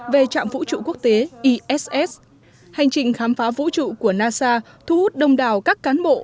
về trạm vũ trụ quốc tế iss hành trình khám phá vũ trụ của nasa thu hút đông đào các cán bộ